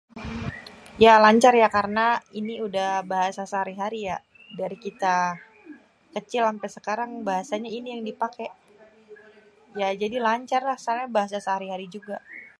Ya lancar ya karna ini udah bahasa sehari-hari ya. Dari kita kecil ampé sekarang, bahasanya ini yang dipaké. Ya jadi lancarlah soalnya bahasa sehari-hari juga.